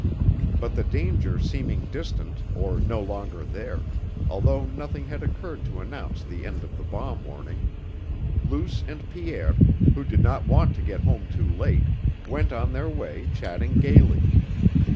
But the danger seeming distant or no longer there, although nothing had occurred to announce the end of the bomb warning, Luce and Pierre, who did not want to get home too late, went on their way chatting gaily.